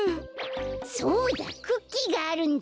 そうだクッキーがあるんだ。